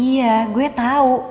iya gue tau